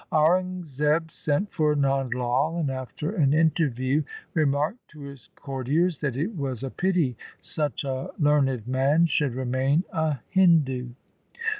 Aurangzeb sent for Nand Lai, and after an interview remarked to his courtiers that it was a pity such a learned man should remain a Hindu.